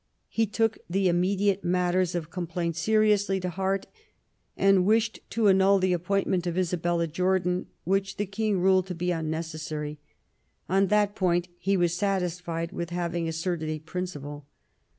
He took the immediate matters of complaint seriously to hearty and wished to annul the appointment of Isa bella Jordan, which the king ruled to be unnecessary ; on iha.t point he was satisfied with having asserted a principle.